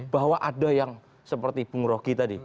bahwa ada yang seperti bung roky tadi